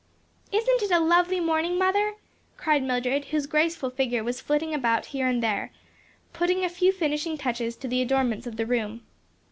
"Isn't it a lovely morning, mother?" cried Mildred, whose graceful figure was flitting about here and there, putting a few finishing touches to the adornments of the room.